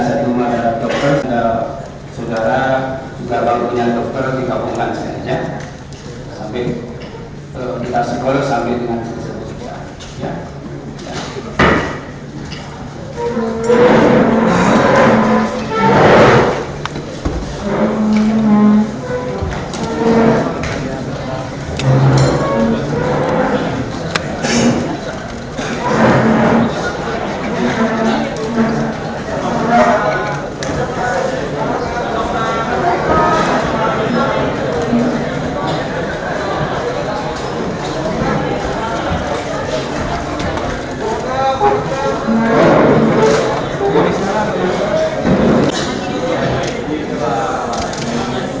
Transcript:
hai oleh para sekarang dokternya juga lengkap dan juga kalau saya benar benar dokter saudara